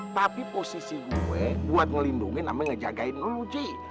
tapi posisi gue buat ngelindungin ame ngejagain lu ji